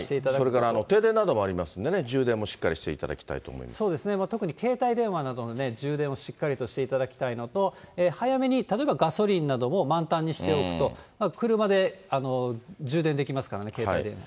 それから停電などもありますんでね、充電もしっかりしていたそうですね、特に携帯電話などの充電をしっかりとしていただきたいのと、早めに例えばガソリンなども満タンにしておくと、車で充電できますからね、携帯電話。